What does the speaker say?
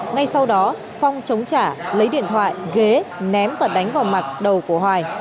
ngay sau đó phong chống trả lấy điện thoại ghế ném và đánh vào mặt đầu của hoài